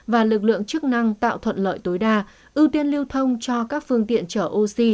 và lực lượng chức năng tạo thuận lợi tối đa ưu tiên lưu thông cho các phương tiện chở oxy